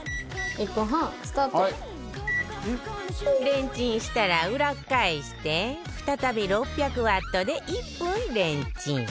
レンチンしたら裏返して再び６００ワットで１分レンチン